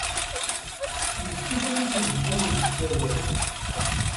Yessuter-ikem-id yiwen deg usawal.